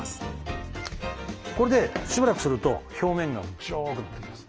これでしばらくすると表面が白くなってきます。